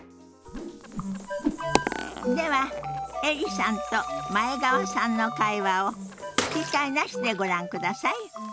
ではエリさんと前川さんの会話を吹き替えなしでご覧ください。